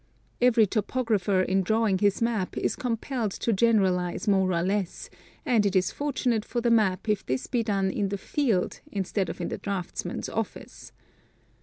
Every topographer in drawing his map is compelled to generalize more or less, and it is fortunate for the map if this be done in the field instead of in the draughtsman's oflfice.